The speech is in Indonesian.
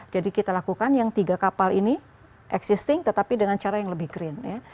jadi kita lakukan yang tiga kapal ini existing tetapi dengan cara yang lebih green